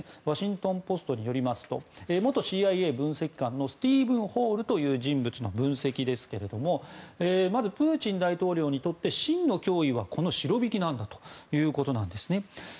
ワシントン・ポストによりますと元ＣＩＡ分析官のスティーブン・ホールという人物の分析ですがまずプーチン大統領にとって真の脅威はこのシロビキなんだということなんですね。